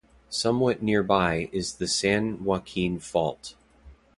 Somewhat nearby is the San Joaquin Fault.